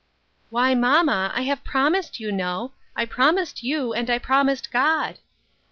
" Why, mamma, I have promised, you know. I promised you, and I promised God."